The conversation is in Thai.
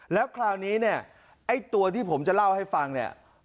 แล้วคราวนี้เนี่ยไอ้ตัวที่ผมจะเล่าให้ฟังเนี่ย